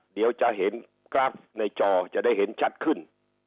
เดี๋ยวจะเห็นกราฟในจอจะได้เห็นชัดขึ้น